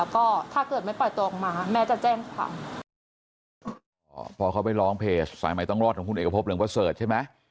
พอเขาไปร้องเพจสายใหม่ต้องรอดของคุณเอกพบเรืองพระเสิร์ธใช่ไหม